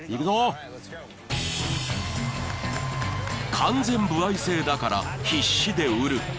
［完全歩合制だから必死で売る］